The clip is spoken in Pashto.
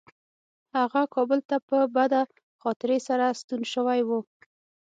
هغه کابل ته په بده خاطرې سره ستون شوی و.